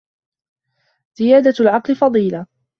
زِيَادَةُ الْعَقْلِ فَضِيلَةٌ